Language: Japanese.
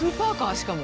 しかも。